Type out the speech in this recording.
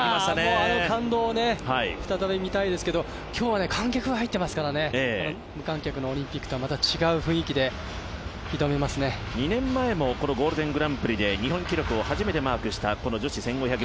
あの感動を再び見たいですけど今日は観客が入ってマスカラ、無観客のオリンピックとは２年前も「ゴールデングランプリ」で日本記録を初めてマークした女子１５００ｍ。